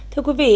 thưa quý vị